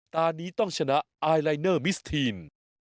ตอนนี้ต้องชนะไอลายเนอร์มิสทีน